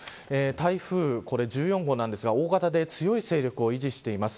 台風１４号なんですが大型で強い勢力を維持しています。